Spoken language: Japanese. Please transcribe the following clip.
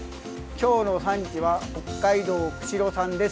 今日の産地は北海道釧路産です。